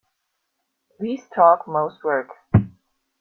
Least talk most work.